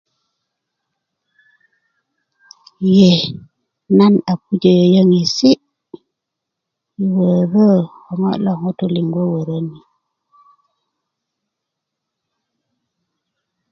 ee nan a pujö yöyöŋesi' yi wörö ko ŋo' loŋ ŋutuu liŋ wöwöröni